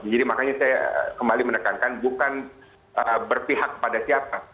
jadi makanya saya kembali menekankan bukan berpihak kepada siapa